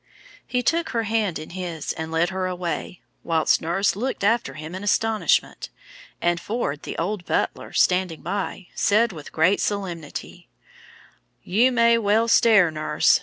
He took her hand in his, and led her away, while nurse looked after him in astonishment, and Ford, the old butler, standing by, said with great solemnity, "You may well stare, nurse.